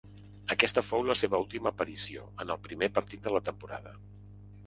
Aquesta fou la seva última aparició, en el primer partit de la temporada.